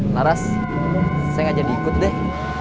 laras saya ngajak diikut deh